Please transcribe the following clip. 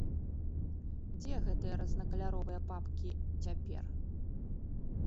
Дзе гэтыя рознакаляровыя папкі цяпер?